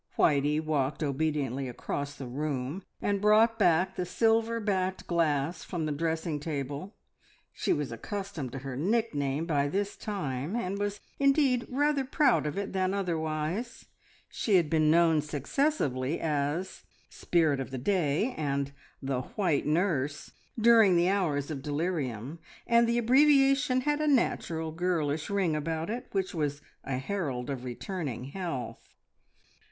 Whitey walked obediently across the room, and brought back the silver backed glass from the dressing table. She was accustomed to her nickname by this time, and was indeed rather proud of it than otherwise. She had been known successively as "Spirit of the Day," and "The White Nurse," during the hours of delirium, and the abbreviation had a natural girlish ring about it, which was a herald of returning health.